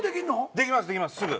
できますできますすぐ。